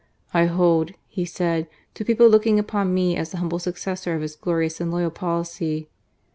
" I hold," he said, "to people looking upon me as the humble successor of his glorious and loyal policy."